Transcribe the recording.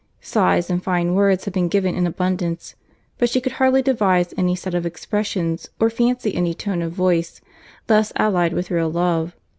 Sighs and fine words had been given in abundance; but she could hardly devise any set of expressions, or fancy any tone of voice, less allied with real love.